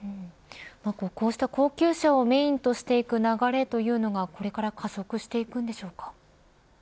こうした高級車をメーンとしていく流れというのがこれから加速していくんでしょうか。